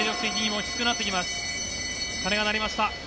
鐘が鳴りました。